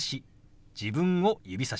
自分を指さします。